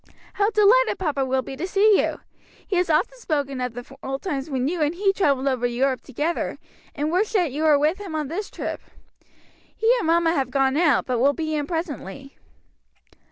How delighted papa will be to see you. He has often spoken of the old times when you and he travelled over Europe together, and wished that you were with him on this trip. He and mamma have gone out, but will be in presently."